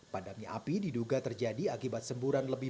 padamnya api diduga terjadi akibat semburan lebih